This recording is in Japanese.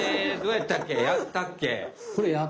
やったっけ？